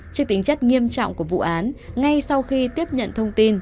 trước tính chất nghiêm trọng của vụ án ngay sau khi tiếp nhận thông tin